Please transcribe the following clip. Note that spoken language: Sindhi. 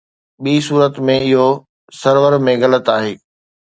ٻي صورت ۾، اهو سرور ۾ غلط آهي